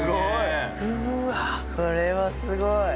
これはすごい！